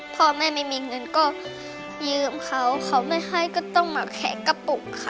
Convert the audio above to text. พ่อแม่ไม่มีเงินก็ยืมเขาเขาไม่ให้ก็ต้องมาแขกกระปุกค่ะ